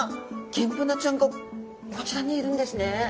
ギンブナちゃんがこちらにいるんですね。